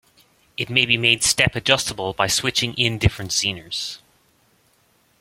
It may be made step adjustable by switching in different Zeners.